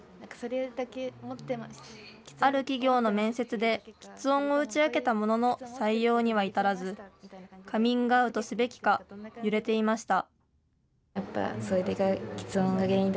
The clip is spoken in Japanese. ある企業の面接で、きつ音を打ち明けたものの採用には至らず、カミングアウトすべきか揺れていました。